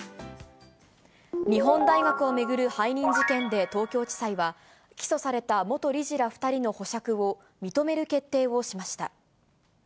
日本大学を巡る背任事件で東京地裁は、起訴された元理事ら２人の保釈を、認める決定をしました。